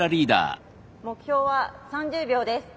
目標は３０秒です。